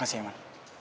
makasih ya eman